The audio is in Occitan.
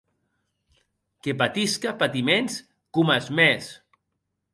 Que patisque patiments coma es mèns!